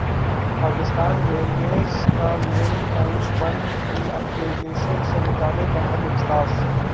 Pakistan railways کا main line one کی upgradation سے متعلق اہم اجلاس